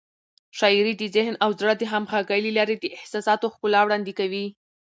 شاعري د ذهن او زړه د همغږۍ له لارې د احساساتو ښکلا وړاندې کوي.